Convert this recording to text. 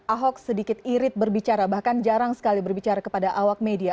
ahok sedikit irit berbicara bahkan jarang sekali berbicara kepada awak media